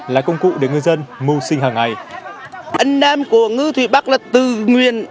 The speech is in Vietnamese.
là công cụ để ngư dân mưu sinh hàng ngày